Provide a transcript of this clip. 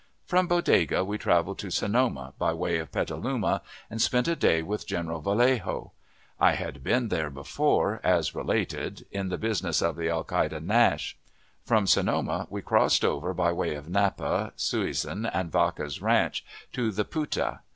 From Bodega we traveled to Sonoma, by way of Petaluma, and spent a day with General Vallejo. I had been there before, as related, in the business of the alcalde Nash. From Sonoma we crossed over by way of Napa, Suisun, and Vaca's ranch, to the Puta.